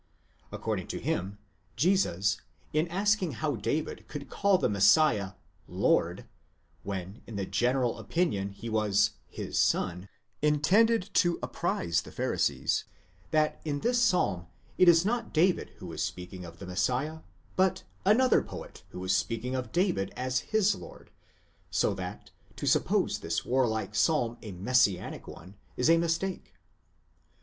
According to him, Jesus, in asking how David could call the Messiah, Zovd, when in the general opinion he was his son, intended to apprise the Pharisees, that in this Psalm it is not David who is 'speaking of the Messiah, but another poet who is speaking of David as his lord, so that to suppose this warlike psalm a messianic one, is ἃ mistake.